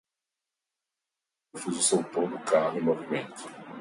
O parafuso soltou do carro em movimento.